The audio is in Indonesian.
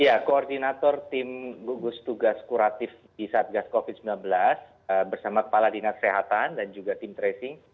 ya koordinator tim gugus tugas kuratif di satgas covid sembilan belas bersama kepala dinas kesehatan dan juga tim tracing